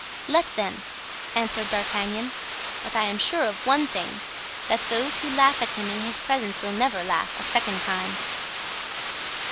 "Let them," answered D'Artagnan. "But I am sure of one thing—that those who laugh at him in his presence will never laugh a second time."